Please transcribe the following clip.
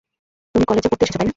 তুমি কলেজে পড়তে এসেছ, তাই না?